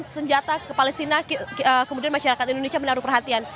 senjata ke palestina kemudian masyarakat indonesia menaruh perhatian